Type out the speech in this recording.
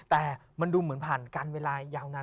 แต่มันดูเหมือนผ่านการเวลายาวนาน